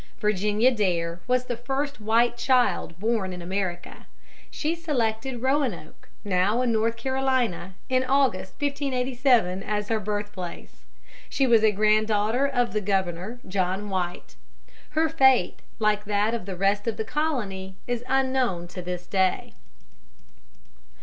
Virginia Dare was the first white child born in America. She selected Roanoke, now in North Carolina, in August, 1587, as her birthplace. She was a grand daughter of the Governor, John White. Her fate, like that of the rest of the colony, is unknown to this day.